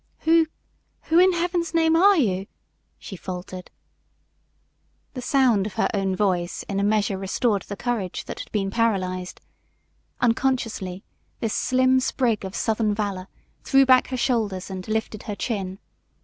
"Who who in heaven's name are you?" she faltered. The sound of her own voice in a measure restored the courage that had been paralyzed. Unconsciously this slim sprig of southern valor threw back her shoulders and lifted her chin.